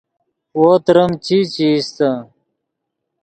وو تریم چی چے ایستے